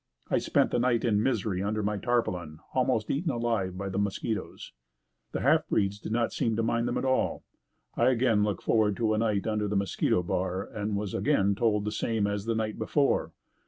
I spent the night in misery under my tarpaulin, almost eaten alive by the mosquitoes. The half breeds did not seem to mind them at all. I again looked forward to a night under the mosquito bar and was again told the same as the night before.